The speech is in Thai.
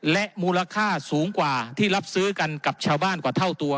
และมูลค่าสูงกว่าที่รับซื้อกันกับชาวบ้านกว่าเท่าตัว